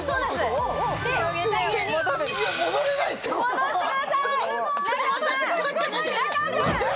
戻してください！